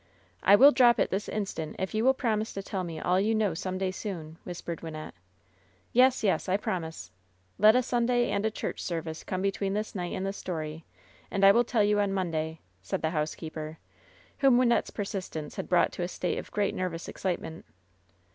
"I will drop it this instant if you will promise to tell me all you know some day soon," whispered Wynnette. "Yes, yesi I promise. Let a Sunday and a church service come between this night and the story, and I will tell you on Monday," said the housekeeper, whom Wynnette's persistence had brought to a state of great nervous excitement.